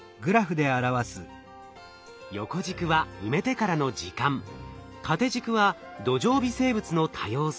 横軸は埋めてからの時間縦軸は土壌微生物の多様性